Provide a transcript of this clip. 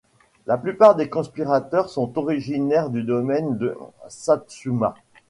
La plupart des conspirateurs sont originaires du domaine de Satsuma.